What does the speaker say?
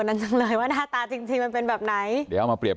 จังเลยว่าหน้าตาจริงจริงมันเป็นแบบไหนเดี๋ยวเอามาเรียบ